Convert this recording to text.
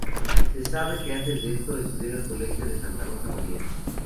Se sabe que antes de esto, estudió en el Colegio de Santa Rosa María.